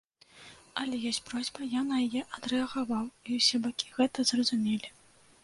Але ёсць просьба, я на яе адрэагаваў, і ўсе бакі гэта зразумелі.